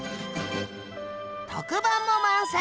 特番も満載！